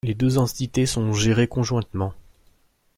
Les deux entités sont gérées conjointement.